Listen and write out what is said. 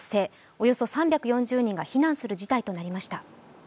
およそ３４０人が避難する事態となりました。